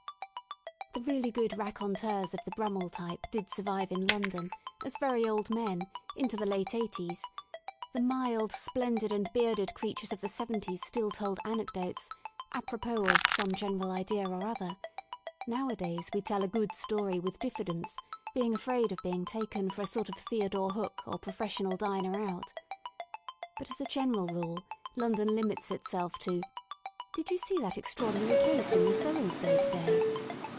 The really good raconteurs of the Brummel type did survive in London, as very old men, into the late 'eighties: the mild, splendid, whiskered creatures of the Crimea still talked ; the mild, splendid and bearded creatures of the ^seventies still told anecdotes ^^a propos of* some general idea or other; nowadays we tell a good story with diffidence, being afraid of being taken for a sort of Theodore Hook or professional diner out But, as a general rule, London limits itself to: Did you see that extraordinary case in the So and so tCMiay?